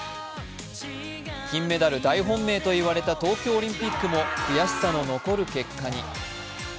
金メダル大本命といわれた東京オリンピックも悔しさの残る結果に。